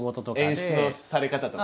演出のされ方とか。